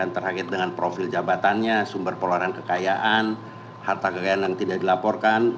terkait dengan profil jabatannya sumber penularan kekayaan harta kekayaan yang tidak dilaporkan